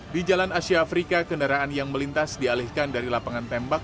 di jalan asia afrika kendaraan yang melintas dialihkan dari lapangan tembak